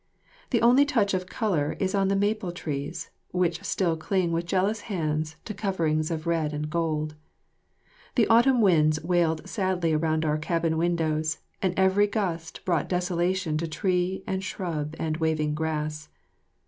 The only touch of colour is on the maple trees, which still cling with jealous hands to coverings of red and gold. The autumn winds wailed sadly around our cabin windows, and every gust brought desolation to tree and shrub and waving grass.